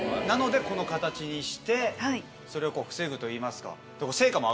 なのでこの形にしてそれを防ぐといいますか。